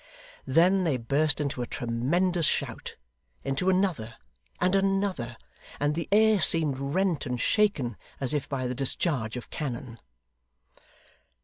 Then they burst into a tremendous shout, into another, and another; and the air seemed rent and shaken, as if by the discharge of cannon.